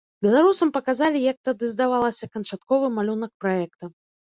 Беларусам паказалі, як тады здавалася, канчатковы малюнак праекта.